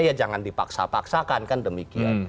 ya jangan dipaksa paksakan kan demikian